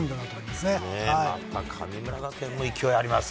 また神村学園も勢いあります